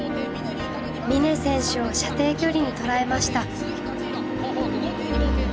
峰選手を射程距離に捉えました。